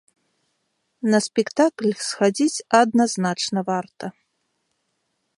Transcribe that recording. На спектакль схадзіць адназначна варта.